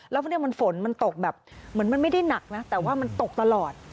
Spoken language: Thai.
แล้วพวกนี้มันฝนมันตกแบบเหมือนมันไม่ได้หนักนะแต่ว่ามันตกตลอด